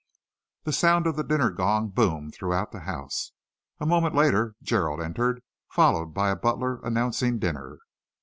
The sound of the dinner gong boomed through the house. A moment later Gerald entered, followed by a butler announcing dinner.